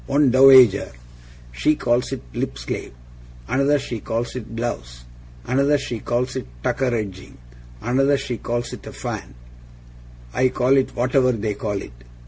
One Dowager, SHE calls it lip salve. Another, SHE calls it gloves. Another, SHE calls it tucker edging. Another, SHE calls it a fan. I call it whatever THEY call it.